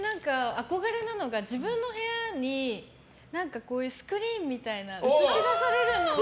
憧れなのが自分の部屋にスクリーンみたいな映し出されるの。